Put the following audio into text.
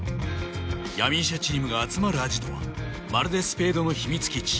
闇医者チームが集まるアジトはまるでスペードの秘密基地